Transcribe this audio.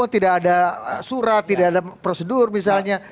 tidak ada surat tidak ada prosedur misalnya